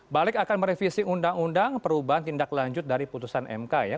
balik akan merevisi undang undang perubahan tindak lanjut dari putusan mk ya